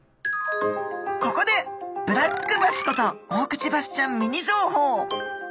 ここでブラックバスことオオクチバスちゃんミニ情報。